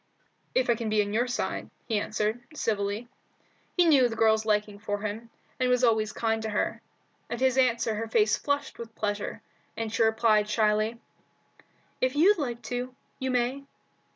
"If I can be on your side," he answered, civilly. He knew the girl's liking for him, and was always kind to her. At his answer her face flushed with pleasure, and she replied shyly "If you'd like to, you may."